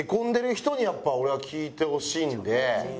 やっぱ俺は聴いてほしいんで。